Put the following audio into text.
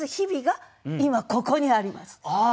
ああ！